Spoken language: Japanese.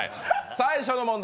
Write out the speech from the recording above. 最初の問題。